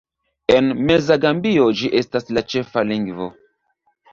En meza Gambio ĝi estas la ĉefa lingvo.